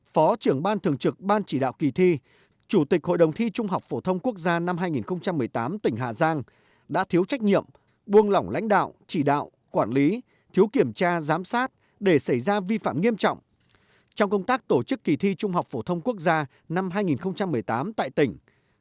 phó trưởng ban thường trực ban chỉ đạo kỳ thi chủ tịch hội đồng thi trung học phổ thông quốc gia năm hai nghìn một mươi tám tỉnh hà giang đã thiếu trách nhiệm buông lỏng lãnh đạo chỉ đạo quản lý thiếu kiểm tra giám sát để xảy ra vi phạm nghiêm trọng trong công tác tổ chức kỳ thi trung học phổ thông quốc gia năm hai nghìn một mươi tám tại tỉnh